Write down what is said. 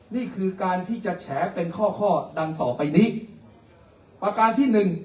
นี่คือการที่จะแฉเป็นข้อข้อดังต่อไปนี้ประการที่หนึ่ง